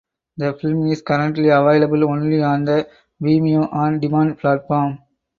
The film is currently available only on the Vimeo on Demand platform.